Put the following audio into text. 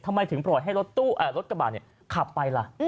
ทำไมถึงปล่อยให้รถกระบาดขับไปล่ะ